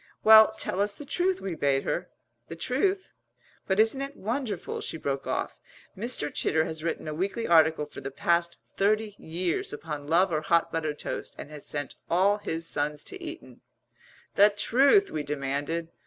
"Well, tell us the truth," we bade her. "The truth? But isn't it wonderful," she broke off "Mr. Chitter has written a weekly article for the past thirty years upon love or hot buttered toast and has sent all his sons to Eton " "The truth!" we demanded.